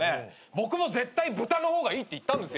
僕も絶対豚の方がいいって言ったんですよ。